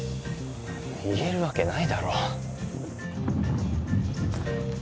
言えるわけないだろ・